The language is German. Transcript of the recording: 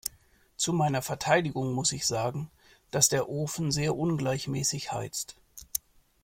Zu meiner Verteidigung muss ich sagen, dass der Ofen sehr ungleichmäßig heizt.